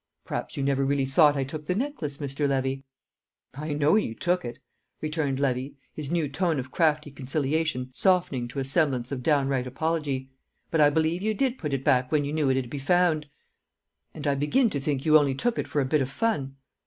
"Perhaps you never really thought I took the necklace, Mr. Levy?" "I know you took it," returned Levy, his new tone of crafty conciliation softening to a semblance of downright apology. "But I believe you did put it back where you knew it'd be found. And I begin to think you only took it for a bit o' fun!"